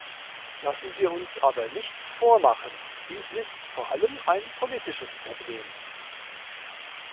Lassen wir uns aber nichts vormachen dies ist vor allem ein politisches Problem.